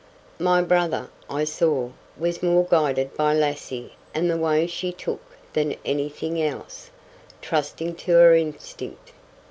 My brother, I saw, was more guided by Lassie and the way she took than anything else, trusting to her instinct.